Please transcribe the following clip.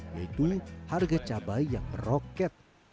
yaitu harga cabai yang meroket